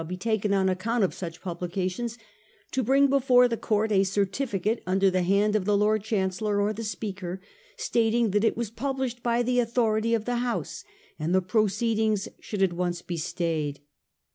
19B be taken on account of suck publication to bring before tbe court a certificate under the hand of the Lord Chancellor or the Speaker, stating that it 'was published by the authority of the House, and the pro ceedings should at once be stayed.